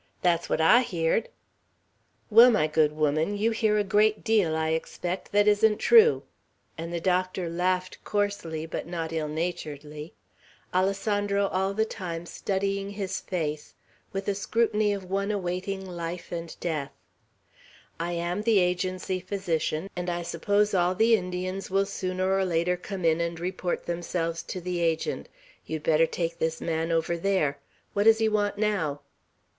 "Thet's what I heerd." "Well, my good woman, you hear a great deal, I expect, that isn't true;" and the doctor laughed coarsely but not ill naturedly, Alessandro all the time studying his face with the scrutiny of one awaiting life and death; "I am the Agency physician, and I suppose all the Indians will sooner or later come in and report themselves to the Agent; you'd better take this man over there. What does he want now?"